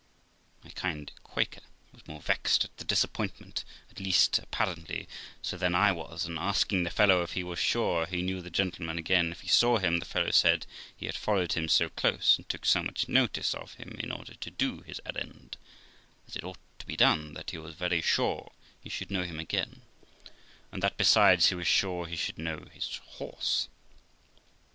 My kind Quaker was more vexed at the disappointment, at least appar ently so, than I was; and, asking the fellow if he was sure he knew the gentleman again if he saw him, the fellow said he had followed him so close and took so much notice of him, in order to do his errand as it ought to be done, that he was very sure he should know him again ; and that, besides, he was sure he should know his horse.